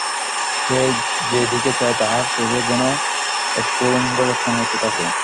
সে যে দিকে চায়, তাহার চোখে যেন স্ফুলিঙ্গবর্ষণ হইতে থাকে।